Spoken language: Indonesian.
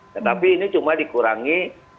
tetapi ini cuma dikurangi